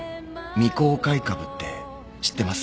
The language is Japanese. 未公開株って知ってます？